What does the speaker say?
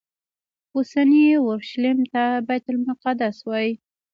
اوسني اورشلیم ته بیت المقدس وایي.